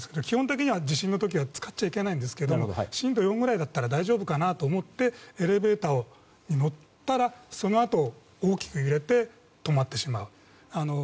基本的には地震の時は使っちゃいけないんですけど震度４ぐらいだったら大丈夫かなと思ってエレベーターに乗ったらそのあと大きく揺れて止まってしまう。